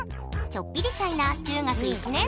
ちょっぴりシャイな中学１年生！